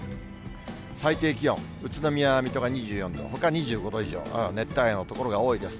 最低気温、宇都宮、水戸が２４度、ほか２５度以上、熱帯夜の所が多いです。